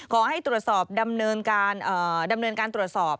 ขอให้ตรวจสอบดำเนินการตรวจสอบ